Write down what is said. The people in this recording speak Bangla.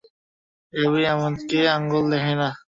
এভাবে আমাকে আঙুল দেখাইও না।